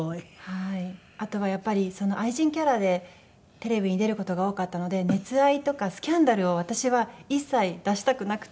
あとはやっぱり愛人キャラでテレビに出る事が多かったので熱愛とかスキャンダルを私は一切出したくなくて。